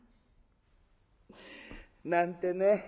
なんてね。